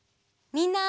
みんな！